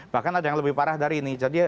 bahkan ada yang lebih parah dari ini